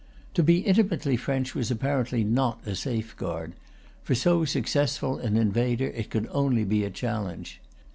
To be intimately French was apparently not a safeguard; for so successful an invader it could only be a challenge.